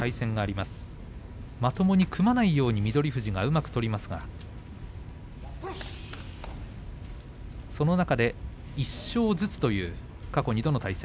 まともに組まないように翠富士はうまく取りますがその中で１勝ずつ過去２度の対戦。